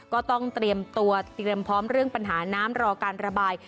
ก็ต้องเตรียมตัวเตรียมพร้อมเรื่องปัญหาน้ำรอการระบาย